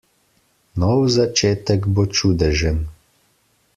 Nov začetek bo čudežen.